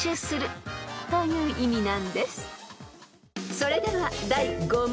［それでは第５問］